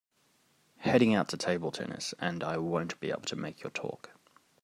Heading out to table tennis and I won’t be able to make your talk.